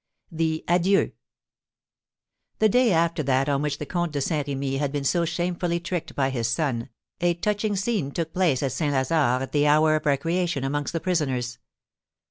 THE ADIEUX. The day after that on which the Comte de Saint Remy had been so shamefully tricked by his son, a touching scene took place at St. Lazare at the hour of recreation amongst the prisoners.